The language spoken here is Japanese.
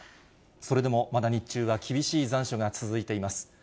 それでも、まだ日中は厳しい残暑が続いています。